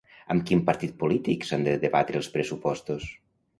Amb quin partit polític s'han de debatre els pressupostos?